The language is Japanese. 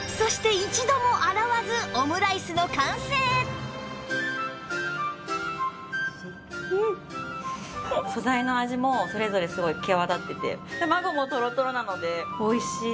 そうそして素材の味もそれぞれすごい際立ってて卵もトロトロなのでおいしい。